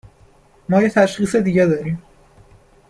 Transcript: ما یه تشخیص دیگه داریم